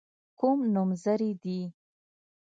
کوم نومځري دي.